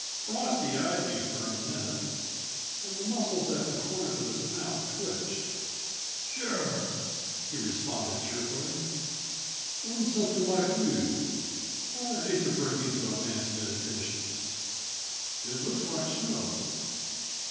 Frosty eyed me for a minute, and the muscles at the corners of his mouth twitched. "Sure," he responded cheerfully. "I'm something like you; I hate to break into a man's meditations. It looks like snow."